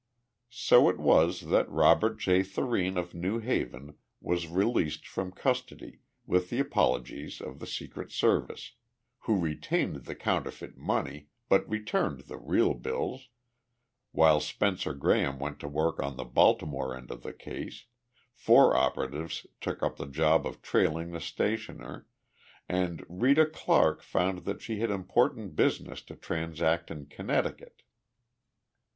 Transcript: So it was that Robert J. Thurene of New Haven was released from custody with the apologies of the Secret Service who retained the counterfeit money, but returned the real bills while Spencer Graham went to work on the Baltimore end of the case, four operatives took up the job of trailing the stationer, and Rita Clarke found that she had important business to transact in Connecticut.